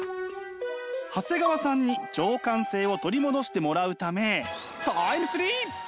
長谷川さんに情感性を取り戻してもらうためタイムスリップ！